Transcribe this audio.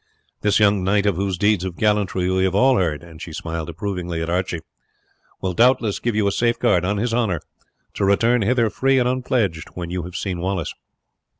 This young knight, of whose deeds of gallantry we have all heard" and she smiled approvingly at Archie "will doubtless give you a safeguard, on his honour, to return hither free and unpledged when you have seen Wallace."